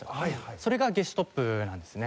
それがゲシュトップなんですね。